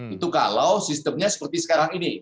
itu kalau sistemnya seperti sekarang ini